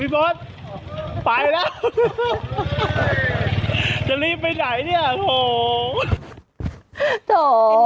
พี่บาทปลายแล้วจะรีบไปไหนเนี่ยหโธ่